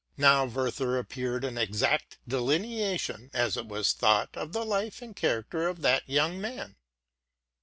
Now, there appeared in '* Wer ther'' an exact delineation, as it was thought, of the life and character of that young man.